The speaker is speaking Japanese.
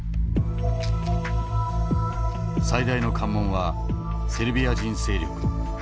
最大の関門はセルビア人勢力。